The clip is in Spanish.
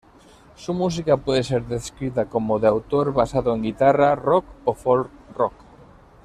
Su música puede ser descrita como de autor basado en guitarra, rock o folk-rock.